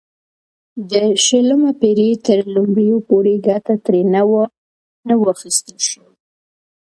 د شلمې پېړۍ تر لومړیو پورې ګټه ترې نه وه اخیستل شوې.